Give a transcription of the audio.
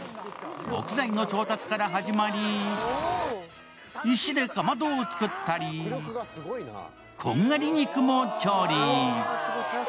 木材の調達から始まり、石でかまどを作ったり、こんがり肉も調理。